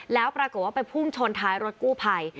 แล้วปรากฏว่าไปพุ่งชนท้ายรถกู้ภัย